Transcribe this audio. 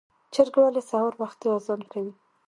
چرګ ولې سهار وختي اذان کوي؟